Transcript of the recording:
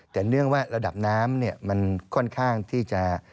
แต่เนื่องว่าระดับน้ำมันค่อนข้างที่จะ